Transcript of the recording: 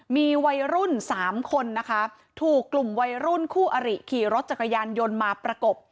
มีวัยรุ่นสามคนนะคะถูกกลุ่มวัยรุ่นคู่อริขี่รถจักรยานยนต์มาประกบ